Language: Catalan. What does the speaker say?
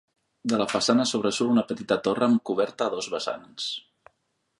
De la façana sobresurt una petita torre amb coberta a dos vessants.